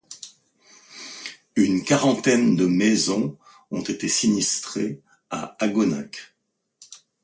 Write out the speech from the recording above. Une quarantaine de maisons ont été sinistrées à Agonac.